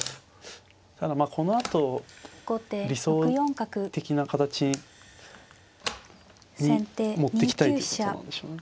ただまあこのあと理想的な形に持っていきたいってことなんでしょうね。